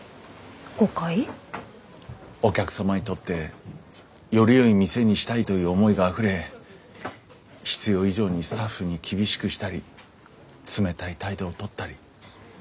お客様にとってよりよい店にしたいという思いがあふれ必要以上にスタッフに厳しくしたり冷たい態度を取ったり。